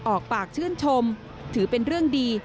ออกปากชื่นชมถือเป็นเรื่องดี